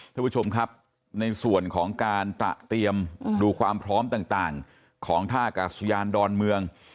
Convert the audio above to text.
ท่านผู้ชมครับในส่วนของการตระเตรียมดูความพร้อมต่างของท่ากาศยานดอนเมือง